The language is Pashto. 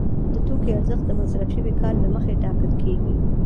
د توکي ارزښت د مصرف شوي کار له مخې ټاکل کېږي